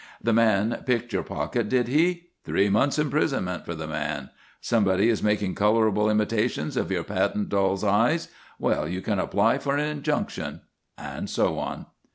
The man picked your pocket, did he? Three months' imprisonment for the man. Somebody is making colourable imitations of your patent dolls' eyes. Well, you can apply for an injunction. And so on.